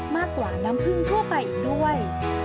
มากกว่าน้ำผึ้งทั่วไปอีกด้วย